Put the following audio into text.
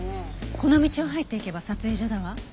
この道を入っていけば撮影所だわ。